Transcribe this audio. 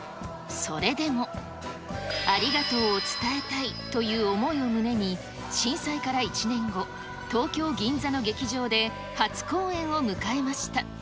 それでもありがとうを伝えたいという思いを胸に、震災から１年後、東京・銀座の劇場で初公演を迎えました。